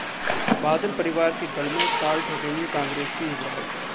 बादल परिवार के गढ़ में ताल ठोकेंगे कांग्रेस के युवराज